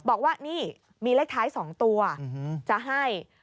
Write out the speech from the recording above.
บอกว่านี่มีเลขท้าย๒ตัวจะให้